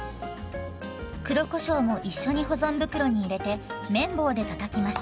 黒こしょうも一緒に保存袋に入れて麺棒でたたきます。